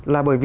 là bởi vì